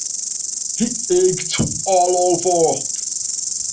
He ached all over.